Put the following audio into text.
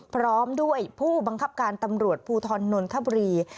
พร้อมด้วยผู้บังคับการตำรวจภูทรนนทบุรี